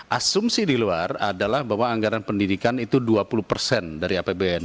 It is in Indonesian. asumsi di luar adalah bahwa anggaran pendidikan itu dua puluh persen dari apbn